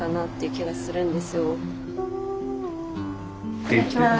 いただきます。